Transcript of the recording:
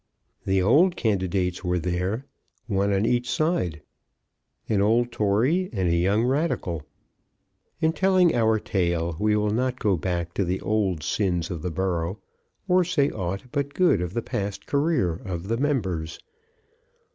The old candidates were there, one on each side: an old Tory and a young Radical. In telling our tale we will not go back to the old sins of the borough, or say aught but good of the past career of the members.